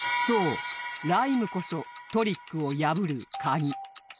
［そうライムこそトリックを破る鍵］